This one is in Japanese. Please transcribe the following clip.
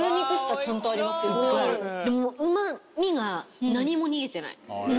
うまみが何も逃げてない。